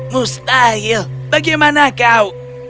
mustahil bagaimana kau